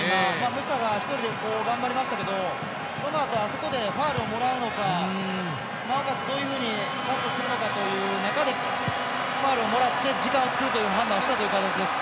ムサが１人で頑張りましたけどそのあと、あそこでファウルをもらうのかなおかつ、どういうふうにパスをするのかという中でファウルをもらって時間を作るという判断をした形です。